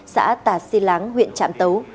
xã tà sỉ láng huyện trạm tấu